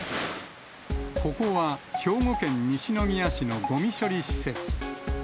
ここは兵庫県西宮市のごみ処理施設。